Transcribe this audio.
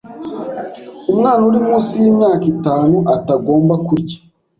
umwana uri munsi y’imyaka itanu atagomba kurya